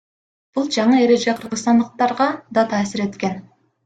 Бул жаңы эреже кыргызстандыктарга да таасир эткен.